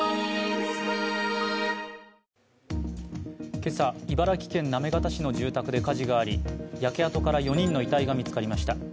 今朝、茨城県行方市の住宅で火事があり焼け跡から４人の遺体が見つかりました。